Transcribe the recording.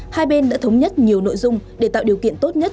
hai bên đã thống nhất nhiều nội dung để tạo điều kiện tốt nhất